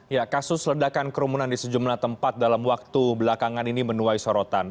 ya kasus ledakan kerumunan di sejumlah tempat dalam waktu belakangan ini menuai sorotan